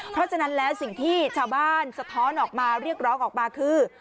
เพราะฉะนั้นแล้วสิ่งที่ชาวบ้านสะท้อนออกมาเรียกร้องออกมาคือ